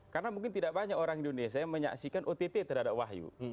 karena mungkin tidak banyak orang di indonesia yang menyaksikan ott terhadap wahyu